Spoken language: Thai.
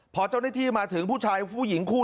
พอเจ้าหน้าที่มาถึงผู้ชายผู้หญิงคู่